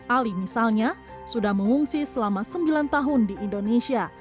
ali misalnya sudah mengungsi selama sembilan tahun di indonesia